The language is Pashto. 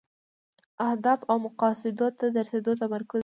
اهدافو او مقاصدو ته د رسیدو تمرکز دی.